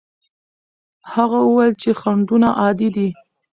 هغه وویل چې خنډونه عادي دي.